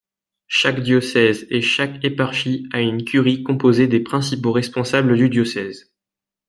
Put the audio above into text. Chaque diocèse et chaque éparchie a une curie composée des principaux responsables du diocèse.